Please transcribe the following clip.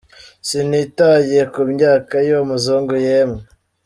Sinitaye ku myaka y’uwo muzungu, yemwe